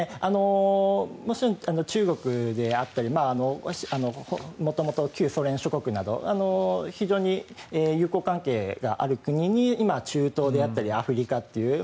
もちろん中国であったり元々、旧ソ連諸国など非常に友好関係がある国に今、中東であったりアフリカという。